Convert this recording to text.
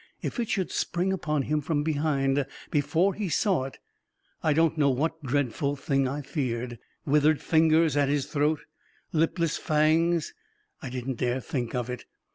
If it should spring upon him from behind, before he saw it ... I don't know what dreadful thing I feared — withered fingers at his throat — lipless fangs — I didn't dare think of it